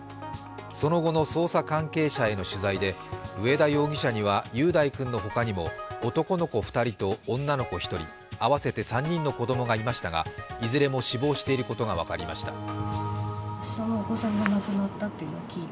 その後の捜査関係者への取材で上田容疑者には雄大君のほかにも男の子人と女の子１人、合わせて３人の子供がいましたが、いずれも死亡していることが分かりました。